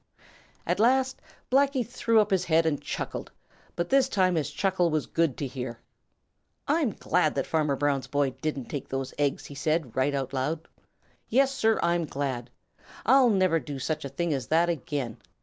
At last Blacky threw up his head and chuckled, and this time his chuckle was good to hear. "I'm glad that Farmer Brown's boy didn't take those eggs," said he right out loud. "Yes, sir, I'm glad. I'll never do such a thing as that again.